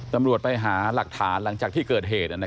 ตำรวจไปหาหลักฐานหลังจากที่เกิดเหตุ